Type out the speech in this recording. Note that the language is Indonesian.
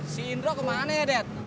sindro kemana ya det